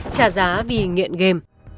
trả giá vì nghiện game